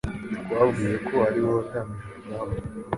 Twabwiwe ko ari wowe watangije urugamba